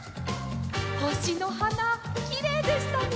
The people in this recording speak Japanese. ほしのはなきれいでしたね！